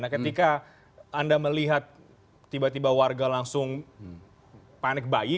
nah ketika anda melihat tiba tiba warga langsung panik bayi